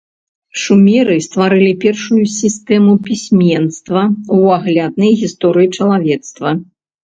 Шумеры стварылі першую сістэму пісьменства ў агляднай гісторыі чалавецтва.